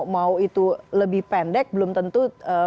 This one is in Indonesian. mau itu lebih pendek belum tentu